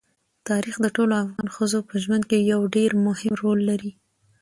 تاریخ د ټولو افغان ښځو په ژوند کې یو ډېر مهم رول لري.